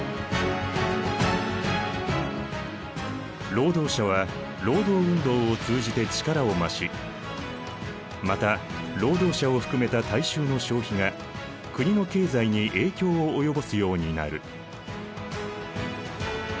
労働者は労働運動を通じて力を増しまた労働者を含めた大衆の消費が国の経済に影響を及ぼすようになる。